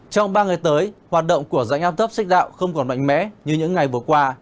trong ba ngày tới hoạt động của dạng áp tấp xích đạo không còn mạnh mẽ như những ngày vừa qua